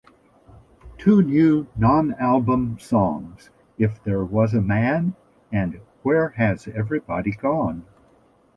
Two new non-album songs, "If There Was a Man" and "Where Has Everybody Gone?